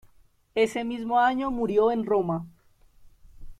Ese mismo año murió en Roma.